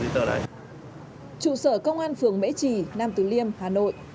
trụ sở công an phường mễ trì nam từ liêm hà nội